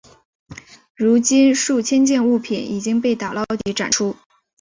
如今数千件物品已经被打捞及展出。